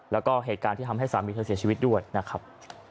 แล้วก็เหตุการณ์ที่ทำให้สามีเธอเสียชีวิตด้วยนะครับ